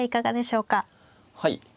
はい。